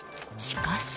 しかし。